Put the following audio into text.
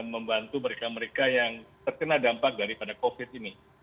membantu mereka mereka yang terkena dampak daripada covid ini